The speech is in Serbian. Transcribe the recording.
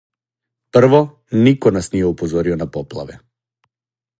Прво, нико нас није упозорио на поплаве.